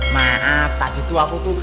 maaf tadi tuh aku tuh